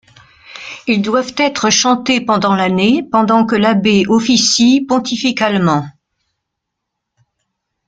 Ils doivent être chantés pendant l'année, pendant que l'abbé officie pontificalement.